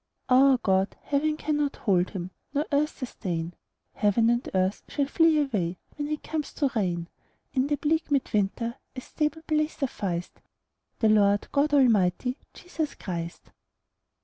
Our God, heaven cannot hold Him, Nor earth sustain; Heaven and earth shall flee away When He comes to reign: In the bleak mid winter A stable place sufficed The Lord God Almighty, Jesus Christ.